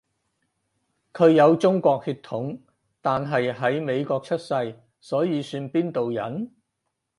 佢有中國血統，但係喺美國出世，所以算邊度人？